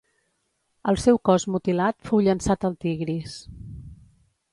El seu cos mutilat fou llançat al Tigris.